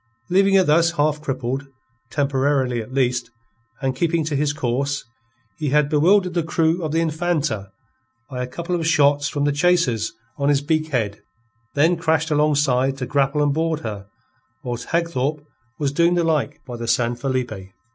Leaving her thus half crippled, temporarily, at least, and keeping to his course, he had bewildered the crew of the Infanta by a couple of shots from the chasers on his beak head, then crashed alongside to grapple and board her, whilst Hagthorpe was doing the like by the San Felipe.